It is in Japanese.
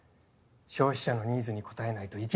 消費者のニーズに応えないと生き残れない。